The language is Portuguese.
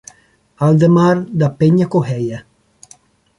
Aldemar da Penha Correia